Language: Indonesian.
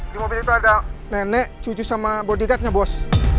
di mobil itu ada nenek cucu sama bodikatnya bos